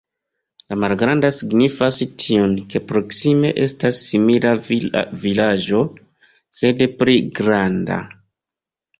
La malgranda signifas tion, ke proksime estas simila vilaĝo, sed pli granda.